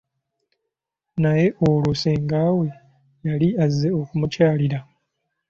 Naye olwo ssengaawe, yali azze okumukyalira.